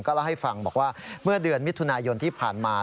เล่าให้ฟังบอกว่าเมื่อเดือนมิถุนายนที่ผ่านมา